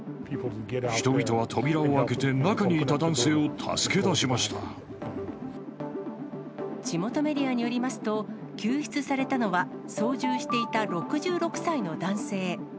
人々は扉を開けて、中にいた地元メディアによりますと、救出されたのは操縦していた６６歳の男性。